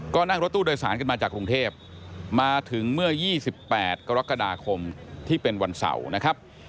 ก็นั่งรถตู้โดยสารกันมาจากกรุงเทพมาถึงเมื่อ๒๘กรกฎาคมที่เป็นวันเสาร์นะครับ